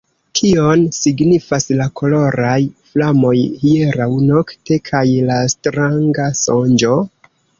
Kion signifas la koloraj flamoj hieraŭ nokte kaj la stranga sonĝo?